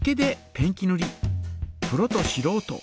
プロとしろうと